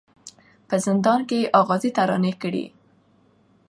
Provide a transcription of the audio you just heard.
په زندان کي یې آغازي ترانې کړې